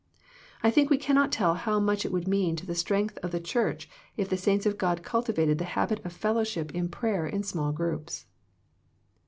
I think we cannot tell how much it would mean to the strength of the Church if the saints of God cultivated the habit of fellowship in prayer in small groups.